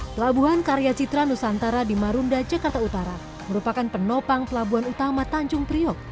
pelabuhan karya citra nusantara di marunda jakarta utara merupakan penopang pelabuhan utama tanjung priok